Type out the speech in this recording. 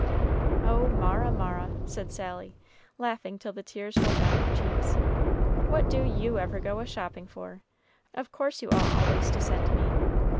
"Oh, Mara, Mara," said Sally, laughing till the tears rolled down her cheeks, "what do you ever go a shopping for? of course you ought always to send me.